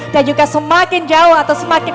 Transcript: dan juga semakin jauh atau semakin